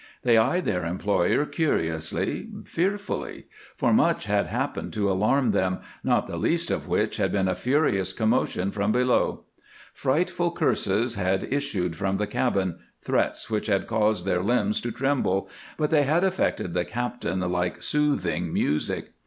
They eyed their employer curiously, fearfully, for much had happened to alarm them, not the least of which had been a furious commotion from below. Frightful curses had issued from the cabin, threats which had caused their limbs to tremble, but they had affected the captain like soothing music.